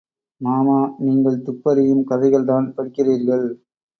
மாமா, நீங்கள் துப்பறியும் கதைகள்தான் படிக்கிறீர்கள்.